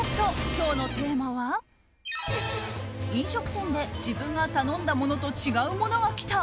今日のテーマは飲食店で自分が頼んだものと違うものが来た！